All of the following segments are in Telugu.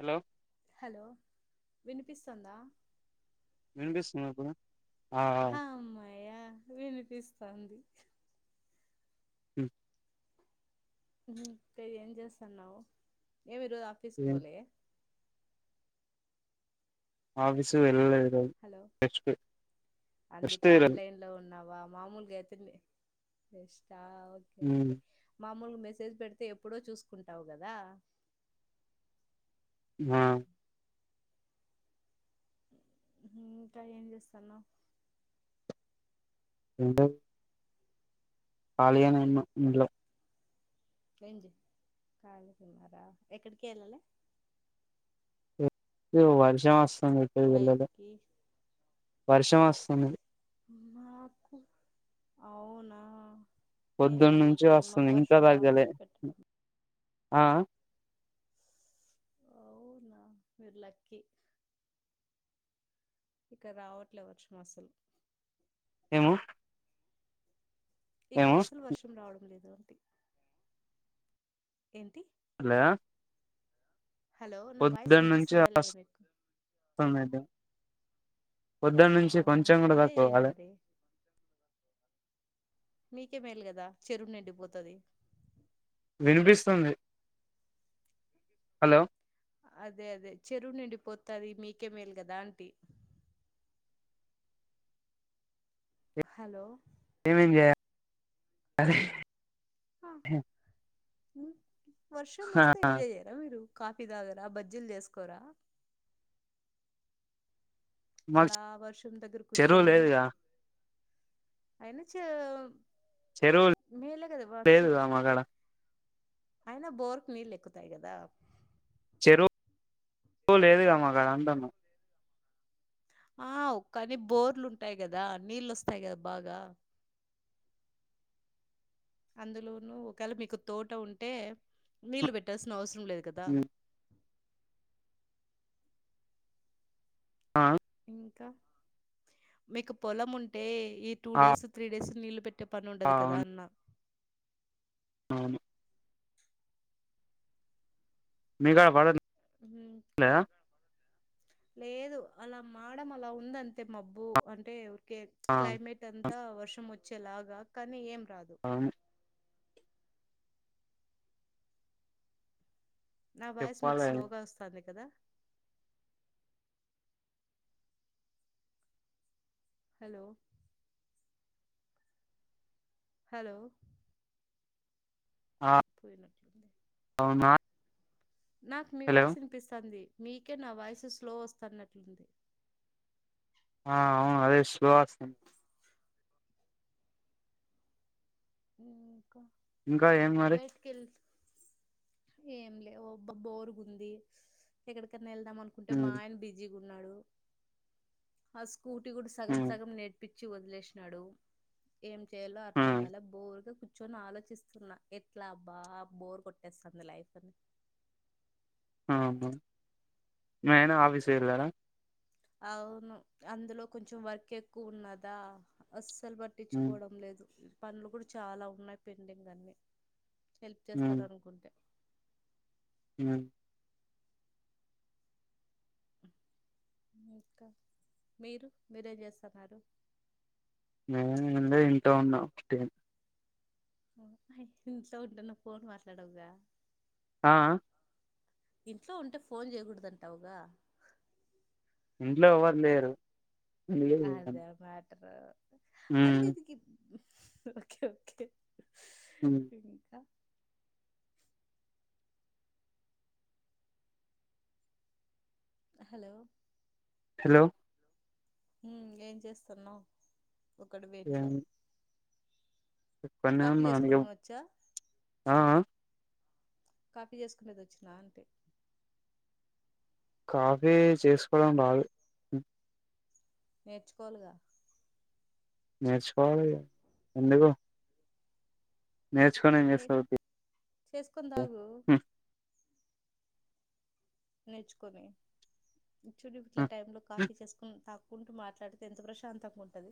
హలో హలో వినిపిస్తుందా వినిపిస్తుందండి హమ్మయ్య వినిపిస్తాంది హ్మ్ ఇంకా ఏం చేస్తాన్నావు ఏమి ఈరోజు ఆఫీస్కి ఏం పోలే ఆఫీస్ కి వెళ్లలేదు ఈరోజు హలో రెస్ట్ రెస్ట్ ఈరోజు ఇంట్లో ఉన్నావా మామూలుగా అయితే రెస్టా ఓకే ఉమ్, ఓకే మామూలుగా మెసేజ్ పెడితే ఎప్పుడో చూసుకుంటావు కదా ఆ ఇంకా ఏం చేస్తన్నావ్ ఎంటది ఖాళీగానే ఉన్న ఇంట్లో ఏంది ఖాళీగా ఉన్నారా ఎక్కడికి వెళ్ళలే ఏ, వర్షం వస్తంది ఎక్కడికి వెల్లలే బయటికి వర్షం వస్తంది మాకు అవునా మేలే పొద్దున్న నుంచి మీకే మాకు వస్తుంది ఇంకా వర్షం తగ్గలే రావడంలే పెట్టడం ఆ అవునా మీరు లక్కీ ఇక్కడ రావట్లే వర్షం అసలు ఏమో ఇక్కడ ఏమో అస్సలు వర్షం రావడం లేదు అంటి హాలో హలో నా వాయిస్ వినిపిస్తుందా లేదా మీకు దండి పొద్దున్న నుంచి అవునా కొంచెం కూడా ఎంజాయ్ తక్కువ చేయండి కాలే మరి మీకే మేల్ కదా చెరువు నిండిపోతది వినిపిస్తుంది హలో అదే అదే చెరువు నిండిపొతది మీకే మేల్ కదా అంటీ హలో ఏమేమి చేయాలి అరే వర్షం ఆ, వస్తే ఎంజాయ్ చేయాలి మీరు కాఫీ తాగరా బజ్జీలు చేసుకోరా మాకు అలా వర్షం దగ్గర చెరువు కూర్చోని లేదుగా అయినా చెరువు మేలే కదా వర్షం లేదుగా మాకాడ అయినా బోర్కు నీళ్ళు ఎక్కుతాయి కదా చెరువు లేదుగా మాకాడ అంట్టన్నా ఆ ఒక్కని బోర్లు ఉంటాయి కదా నీళ్ళు వస్తాయి కదా బాగా అందులోనూ ఒకేళ మీకు తోట ఉంటే నీళ్ళు పెట్టాల్సిన అవసరం లేదు కదా హ్మ్ ఆ ఇంకా మీకు పొలం ఉంటే ఈ టూ ఆ డేస్ త్రీ డేస్ నీళ్లు పెట్టే పని ఉండదు కదా అవును అన్నా అవును మీగాడ పడన్ హ్మ్ ఇంకా లేదు అలా మాడం అలా ఉందంతే మబ్బు అంటే ఊరికే ఆ క్లైమేట్ అం తా వర్షం వచ్చేలాగా కానీ ఏం రాదు అవును నా వాయిస్ నీకు చెప్పాలే స్లోగా వస్తుంది కదా హలో హలో ఆ పోయినట్లు ఉంది అవునా నాకు మీ హలో వాయిసు వినిపిస్తుంది మీకే నా వాయిసు స్లో వస్తున్నట్లుంది ఆ అవును అదే స్లో వస్తుంది ఇంకా ఇంకా ఏం మరి కిల్ ఏం లే బ బోరుగుంది ఎక్కడికనా వెళ్దా మన్ కుంటే ఉమ్ మా ఆయన బిజీగా ఉన్నాడు ఆ స్కూటీ కూడా సగం ఉమ్ సగం నెట్ పిచ్చి వదిలేసినాడు ఏం చేయాలో అర్థం ఉమ్ గల ఉరిగా కూర్చొని ఆలోచిస్తున్నా ఎట్లా బా బోర్ కొట్టేస్తుంది లైఫ్ అని అవున ఏనా ఆఫీస్ పోయిరు కదా అవును అందులో కొంచెం వర్క్ ఎక్కువ ఉన్నదా అస్సలు బట్ ఉమ్ పట్టించుకోవడం లేదు పనులు కూడా చాలా ఉన్నాయి పెండింగ్ అన్ని హెల్ప్ చేస్తాడు అనుకుంటే ఊ ఇంకా మీరు మీరేం చేస్తున్నారు మేము అండీ ఇంట్లో ఉన్న టీ ఇంట్లో ఉంటున్న ఫోన్ మాట్లాడవుగా ఆ ఆ ఇంట్లో ఉంటే ఫోన్ చేయకూడదంటావుగా ఇంట్లో ఎవరు లేరు అందుకే చేయను. అదే మాటరు అంట ఉమ్ ఇదికి ఓకే ఓకే ఉమ్ ఇంకా హలో హలో ఊ ఏం చేస్తున్నావు ఒకడివే ఇంట్లో ఒక్కన్నే కాఫీ ఉన్నా అందుకే చేసుకొడం వచ్చా ఆ ఆ కాఫీ చేసుకునేది వచ్చినా అంటి కాఫీ చేసుకోవడం రాదు నేర్చుకోవాలిగా నేర్చుకోవాలి ఎందుకు నేర్చుకొని ఏం చేస్తావు తియ్ చేసుకుని దాగు నేర్చుకొని చుడి ఇపట్ల టైం లో కాఫీ చేసుకుని తాగు కుంటూ మాట్లాడితే ఎంత ప్రశాంతంగా ఉంటది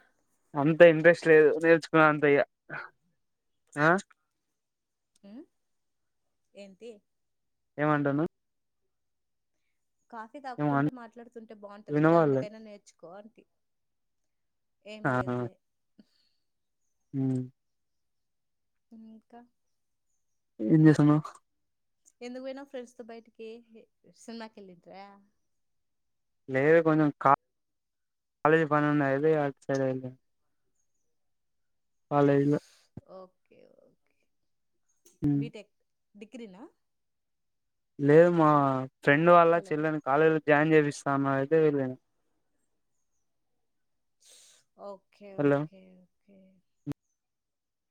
అంత ఇంట్రెస్ట్ లేదు నేర్చుకునేంత ఇగ ఆ ఊ ఏంటి ఏమంటునవ్ కాఫీ ఏమో అన్ తాక్కుంటూ మాట్లాడుతుంటే బాగుంటది కదా వినవాళ్ళే అందుకైనా నేర్చుకో అంటి ఏం లేదు లే హ ఇంక ఎం చేస్తన్నవ్ ఎందుకు పొయినవ్ ఫ్రెండ్స్ తొ బయటికి సినిమాకేళ్ళింట్రా లేదుకొంచెం కాలేజ్ పనున్నా అదే ఆట్ సైడ్ కాలేజీ లో ఓకే ఓకే ఉమ్ బిటెక్ డిగ్రీన లేదు మా ఫ్రెండ్ వాల్ల హలో చెల్లెను కాలేజీలో జాయిన్ చేపిస్తాను అయితే వెళ్ళాను ఒకే హలో ఒకే ఒకే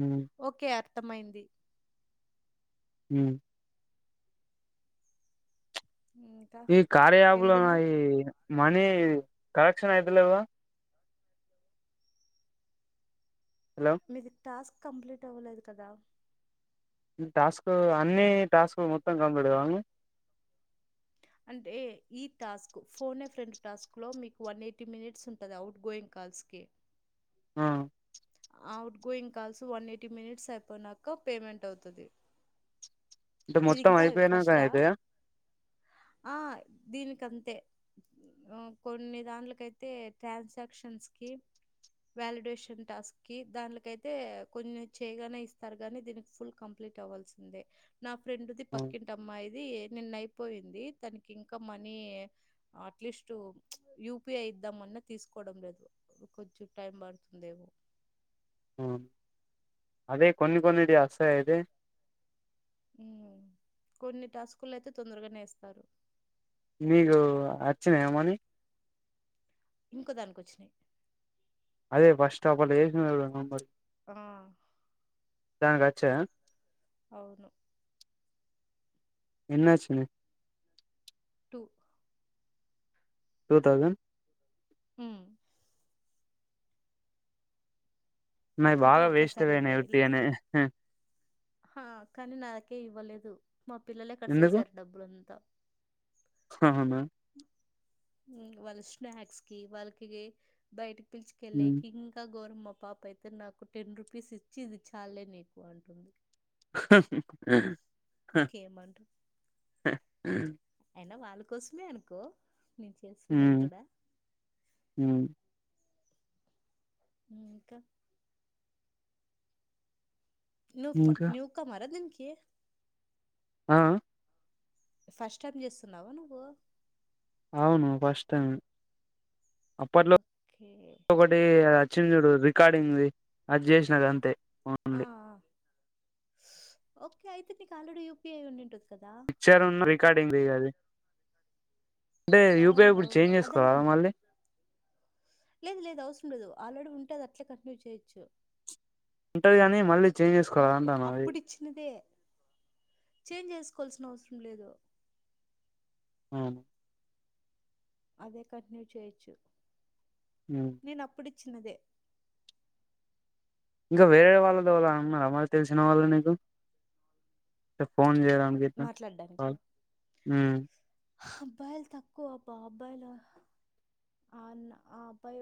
ఉ ఓకే అర్థమైంది ఉ ఉ ఈ కార్యాయాప్లో నా ఈ మనీ కలెక్షన్ అయితలేదా హలో మీది టాస్క్ కంప్లీట్ అవ్వలేదు కదా టాస్క్ అన్ని టాస్క్ లు మొత్తం కంప్లీట్ కావలన అంటే ఈ టాస్క్ ఫోనే ఫ్రెండ్ టాస్క్లో మీకు వన్ ఎయిటీ మినిట్స్ ఉంటుంది అవుట్ గోయింగ్ కాల్స్కి అ outgoing calls one eighty minutes అయిపోనాక పేమెంట్ అవుతది అంటే మీది మొత్తం ఇంకా అయిపోయినాక ఫస్ట్ అ అయితయా ఆ దీనికంతే కొన్ని దాంట్లకైతే ట్రాన్సాక్షన్స్కి వ్యాలిడేషన్ టాస్క్ కి దాన్లకైతే కొన్ని చేయగానే ఇస్తారు గానీ దీనికి ఫుల్ కంప్లీట్ అవ్వాల్సిందే నా ఫ్రెండ్ ది పక్కి అమ్మాయి ది నిన్న ఐపోయింది తనకి ఇంకా మనీ అక్లీస్ట్ యూపిఐ ఇద్దామన్నా తీసుకోవడం లేదు కొంచెం టైం పడుతుందేమో అదే కొన్ని కొన్నిటి అస్తయ్ ఐతే కొన్ని టాస్కుల్లో అయితే తొందరగానే ఎస్తారు మీకు [unintelligible] మరి ఇంకో దానికి కోచ్చినాయి అదే పస్టాప్ అట్లా చేసిన నంబర్ ఆ దానికొచ్చాయ అవును ఎన్నొ [unintelligible] [unintelligible] టూ థౌజన్ ఉ అంతా [unintelligible] వేస్ట్ ఒకేసారే బొయినయ్ వేయలే వొట్టిగానే హా కానీ నాకే ఇవ్వలేదు మా పిల్లలే కడ్సేసరు డబ్బులంత ఆహా వాళ్ళ స్నాక్స్ కి వాళ్కి బయట ఉమ్ పిల్చెకేళ్ళేకి ఇంకా గోరమ్ మాపాప అయితే నాకు టెన్ రూపీస్ ఇచ్చి ఇది చాల్లేనీకు అంటుంది ఇంకేమంటారు అయినా వాళ్ళ కోసమే అనుకో నేను చేస్తున్నది గూడ ఉ ఇంకా నూక్ ఇంకా న్యూకమర దీన్కి ఆ ఫస్ట్ టైం జేస్తున్నావా నువ్వు అవును ఫస్ట్ టైమె అప్పట్లో ఓకే టే అచ్చించూడు రికార్డింగ్ ది అదిజేసిన అంతే ఆ ఆ. అవునండి ఓకే అయితే నీకు ఆల్రెడీ యూపిఐ ఉండి ఉంటది కదా ఇచ్చారు ఉన్న రికార్డింగ్ ది అది అంటే యూపీఐ ఇప్పుడు అవునవును చేంజ్ ఆ, చేసుకోవాలా దానికి మళ్ళీ లేదు లేదు అవసరం ఉండదు ఆల్రెడీ ఉంటే అది అట్లా కంటిన్యూ చేయచ్చు ఉంటది కానీ మళ్ళీ చేంజ్ చేసుకోవాల అంటాను అది యుపిఐ చేంజ్ చేసుకోవాల్సిన అవసరం లేదు అవును అదే కంటిన్యూ చేయిచు హ్మ్ నేను అప్పుడు ఇచ్చినదే ఇంకా వేరే వాళ్ళదిలా ఉన్నారా మరి తెలిసిన వాళ్ళు నీకు ఫోన్ చేయడానికి ఇట్లా మాట్లాడడానికి కాల్ ఉమ్ అబ్బాయిలు తక్కువబ్బ అబ్బాయిలు అవును ఆ అబ్బాయి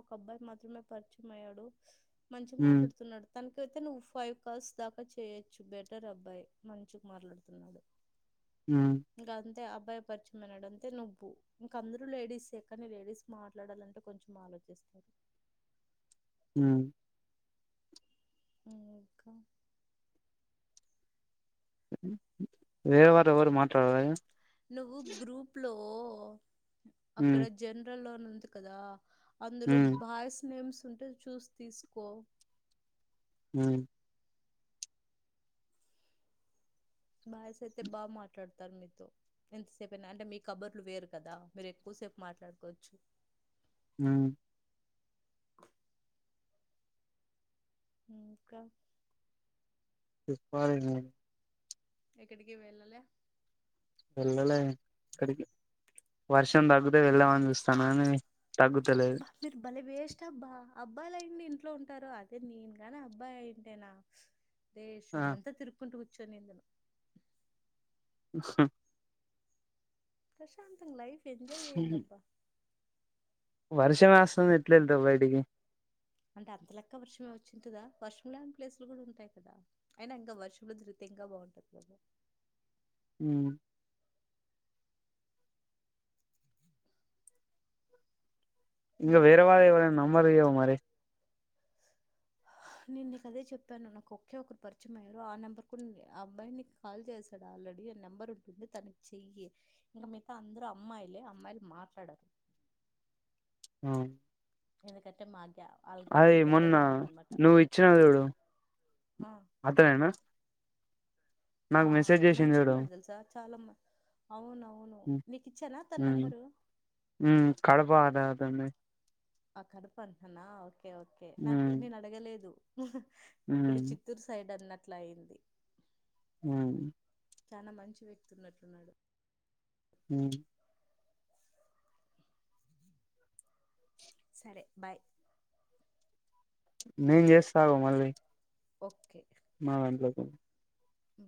ఒక అబ్బాయి మాత్రమే పరిచయం అయ్యాడు మంచిగా ఉమ్ మాట్లాడుతున్నాడు తనకైతే నువ్వు ఫైవ్ కాల్స్ దాకా చేయొచ్చు బెటర్ అబ్బాయి మంచిగ మాట్లాడుతున్నాడు హ్మ్ ఇంక అంతే ఆ అబ్బాయి పరిచయయంమైనడంతే నువ్వు ఇంక అందరూ లేడీసే కానీ లేడీస్ మాట్లాడాలంటే కొంచెం ఆలోచిస్తారు హ్మ్ ఇంకా వేరే వారు ఎవరు మాట్లాడరా నువ్వు గ్రూప్ లో ఉమ్ అక్కడ జనరల్ లో అని ఉంది కదా అందులో ఉమ్ బాయస్ నేమ్స్ ఉంటే చూసి తీసుకో హ్మ్ బాయ్స్ అయితే బా మాట్లాడుతారు నీతో ఎంతసేపయినా అంటే మీ కబుర్లు వేరు కదా మీరు ఎక్కువసేపు మాట్లాడుకోవచ్చు హ్మ్ ఇంకా చెప్పాలి నువ్వు ఎక్కడికి వెళ్ళలా వెళ్ళలే ఎక్కడికి వర్షం తగ్గితే వెళ్ళ్దామని చూస్తు బా మీరు బలే వేస్ట్ అబ్బా అబ్బాయిలు అయి ఉండి ఇంట్లో ఉంటారు అదే నేను కానీ అబ్బాయి అయింటేనా ఆ దేశం అంతా తిరుక్కుంటూ కూర్చోనిందును ఉహు ప్రశాంతం గా లైఫ్ ఎంజాయ్ చేయండబ్బా వర్షం ఏస్తుంది ఎట్లేలతం బయటికి అంటే అంత లెక్క వర్షమే వచ్చింటదా వర్షం రాని ప్లేసులు కూడా ఉంటాయి కదా అయినా ఇంకా వర్షంలో తిరిగితే ఇంకా బాగుంటది కదా ఉ ఇం ఉమ్, వేరే ఇంకా వాల్ల ఎవ నమ్మరిగా మరి ఆ నేను నీకు అదే చెప్పాను నాకు ఒకే ఒక్కరు పరిచయం అయ్యారు ఆ నెంబర్ కూడా ఆ అబ్బాయి నీకు కాల్ చేశాడు ఆల్రెడీ ఆ నెంబర్ ఉంటుంది తనకి చెయ్యి ఇంకా మిగతా అందరు అమ్మాయిలే అమ్మాయిలు మాట్లాడరు ఆ ఎందుకంటే మాగ అది మొన్న నువ్వు ఇచ్చిన చూడు ఆ అతడేనా ఆ చేసింది చూడు మంచుకున్నాడు తెలుసా చాలా అవునవును నీకు ఇచ్చానా తన నెంబరు ఉ కడప అదా అతన్నే ఆ కడుపు అంటనా ఓకే ఓకే నాక ఉమ్ నేను అడగలేదు ఉమ్ ఇక్కడ చిత్తూరు సైడ్ అన్నట్లయింది ఉహ్మ్ చానా మంచి వ్యక్తి ఉన్నట్లున్నాడు ఉ సరే బాయ్ నే చేస్తావు మళ్ళీ ఓకే మా అంట్లో ఉ